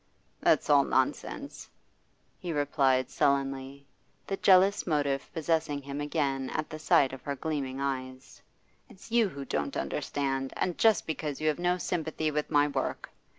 'That's all nonsense,' he replied sullenly, the jealous motive possessing him again at the sight of her gleaming eyes. 'It's you who don't understand, and just because you have no sympathy with my work.